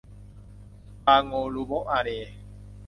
บาโงลูโบ๊ะอาแน